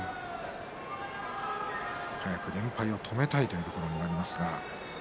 早く連敗を止めたいというところになりますが。